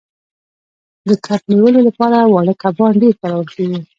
د کب نیولو لپاره واړه کبان ډیر کارول کیږي